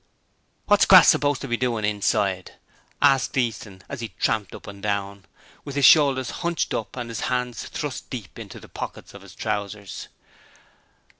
'What's Crass supposed to be doin' inside?' asked Easton as he tramped up and down, with his shoulders hunched up and his hands thrust deep into the pockets of his trousers.